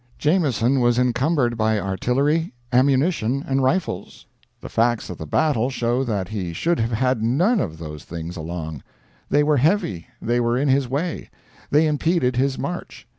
Jameson was encumbered by artillery, ammunition, and rifles. The facts of the battle show that he should have had none of those things along. They were heavy, they were in his way, they impeded his march.